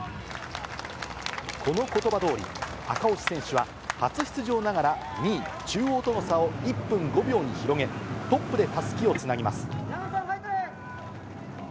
このことばどおり、赤星選手は初出場ながら２位、中央との差を１分５秒に広げ、トップでたすきをつなぎます。